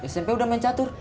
smp udah main catur